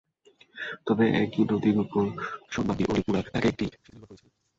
তবে একই নদীর ওপর সনমান্দীর অলিপুরা এলাকায় একটি সেতু নির্মাণ করেছিলাম।